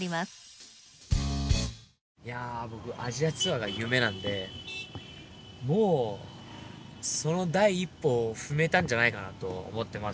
僕アジアツアーが夢なんでもうその第一歩を踏めたんじゃないかなと思ってます。